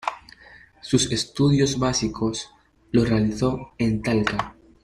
Sus estudios básicos los realizó en Talca.